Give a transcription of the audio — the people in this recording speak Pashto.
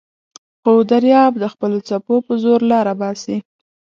خو دریاب د خپلو څپو په زور لاره باسي.